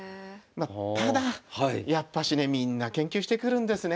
ただやっぱしねみんな研究してくるんですね。